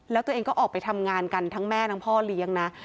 แล้วตัวเองก็ออกไปทำงานกันทั้งแม่ทั้งพ่อเลี้ยงนะ